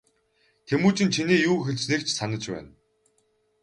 Тэмүжин чиний юу хэлснийг ч санаж байна.